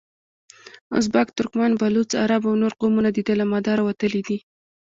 ازبک، ترکمن، بلوڅ، عرب او نور قومونه دده له مداره وتلي دي.